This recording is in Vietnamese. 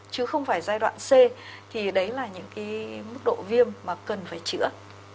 chứ không phải giai đoạn c thì đấy là những cái mức độ viêm mà cần phải chữa